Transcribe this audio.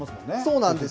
そうなんです。